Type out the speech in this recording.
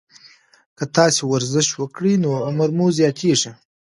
که تاسي ورزش وکړئ، نو عمر مو زیاتیږي.